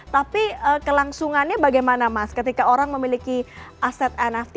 tapi kelangsungannya bagaimana mas ketika orang memiliki aset nft